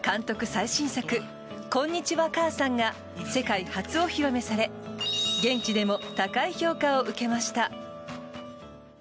最新作「こんにちは、母さん」が世界初お披露目され現地でも高い評価を受けました。